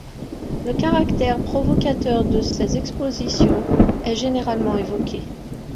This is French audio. Le caractère provocateur de ses expositions est généralement évoqué.